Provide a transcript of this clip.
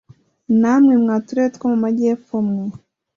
namwe mwa turere two mu majyepfo mwe